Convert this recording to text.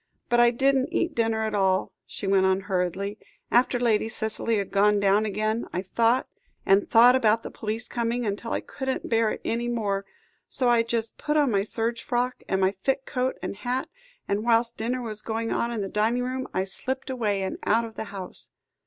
"But I didn't eat the dinner at all," she went on hurriedly. "After Lady Cicely had gone down again, I thought and thought about the police coming, until I couldn't bear it any more. So I just put on my serge frock, and my thick coat and hat; and whilst dinner was going on in the dining room, I slipped away, and out of the house.